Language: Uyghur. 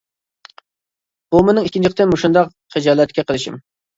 بۇ مېنىڭ ئىككىنچى قېتىم مۇشۇنداق خىجالەتكە قېلىشىم.